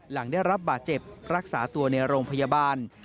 หลังได้รับบาดเจ็บรักษาตัวในโรงพยาบาล